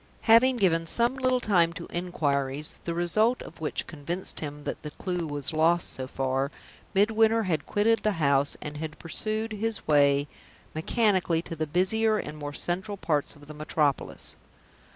Having given some little time to inquiries, the result of which convinced him that the clew was lost so far, Midwinter had quitted the house, and had pursued his way mechanically to the busier and more central parts of the metropolis.